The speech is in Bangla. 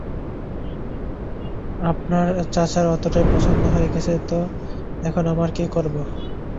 আপনার চাচার এতোটাই পছন্দ হয়ে গেছে তো এখন আমরা কী করবো?